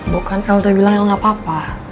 bu kan el udah bilang el gapapa